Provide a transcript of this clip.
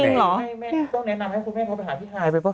ต้องแนะนำให้แม่ป้อไปห่าพี่ฮาย